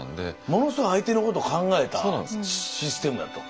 ものすごい相手のこと考えたシステムやと。